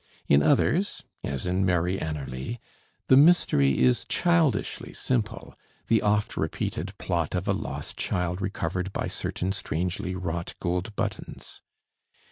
In others, as in 'Mary Anerley,' the mystery is childishly simple, the oft repeated plot of a lost child recovered by certain strangely wrought gold buttons.